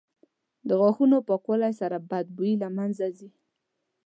• د غاښونو پاکوالي سره بد بوی له منځه ځي.